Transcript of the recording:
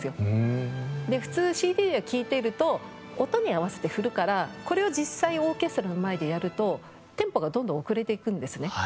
で普通ＣＤで聴いていると音に合わせて振るからこれを実際オーケストラの前でやるとテンポがどんどん遅れていくんですね。